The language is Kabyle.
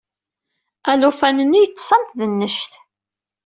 Alufan-nni yeḍḍes am tednect.